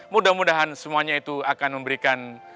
mudah mudahan semuanya itu akan memberikan